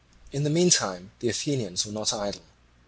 In the meantime the Athenians were not idle.